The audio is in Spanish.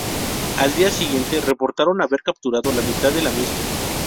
Al día siguiente reportaron haber capturado la mitad de la misma.